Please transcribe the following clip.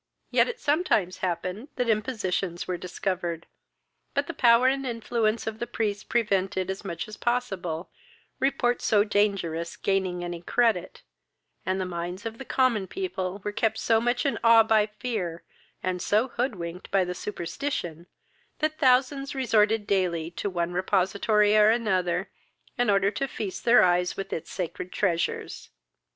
Yet it sometimes happened that impositions were discovered, but the power and influence of the priests prevented, as much as possible, reports so dangerous gaining any credit, and the minds of the common people were kept so much in awe by fear, and so hoodwinked by the superstition, that thousands resorted daily to one repository or another, in order to feast their eyes with its sacred treasures.